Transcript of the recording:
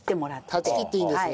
断ち切っていいんですね。